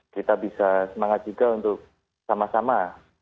kita bisa semangat juga untuk sama sama